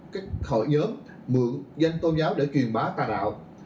các hội nhóm mượn danh tôn giáo để truyền bá tà đạo